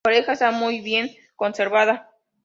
La oreja está muy bien conservada.